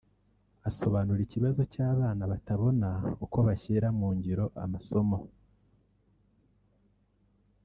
Asobanura ikibazo cy’abana batabona uko bashyira mu ngiro amasomo